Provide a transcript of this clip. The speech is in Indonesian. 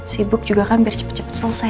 sibuk juga kan biar cepet cepet selesai